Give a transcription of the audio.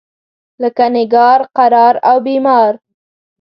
لکه نګار، قرار او بیمار.